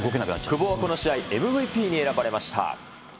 久保はこの試合、ＭＶＰに選ばれました。